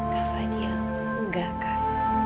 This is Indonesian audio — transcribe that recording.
kak fadil enggak kak